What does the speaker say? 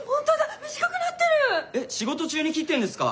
仕事中に切ってんですか？